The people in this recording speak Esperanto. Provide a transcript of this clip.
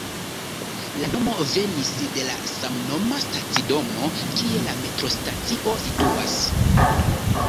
La nomo venis de la samnoma stacidomo, kie la metrostacio situas.